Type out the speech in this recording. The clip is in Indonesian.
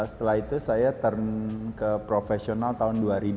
setelah itu saya term ke profesional tahun dua ribu